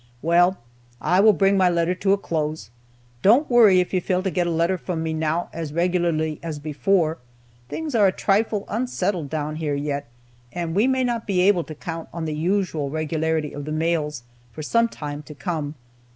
"Well, I will bring my letter to a close. Don't worry if you fail to get a letter from me now as regularly as before. Things are a trifle unsettled down here yet, and we may not be able to count on the usual regularity of the mails for some time to come.